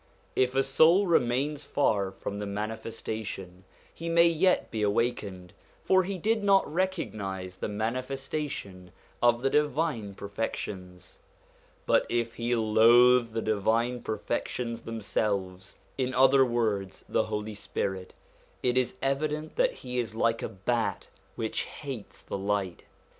If a soul remains far from the Manifestation, he may yet be awakened ; for he did not recognise the Mani festation of the divine perfections. But if he loathe the divine perfections themselves, in other words the Holy Spirit, it is evident that he is like a bat which hates the light.